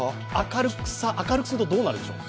明るくするとどうなるでしょう？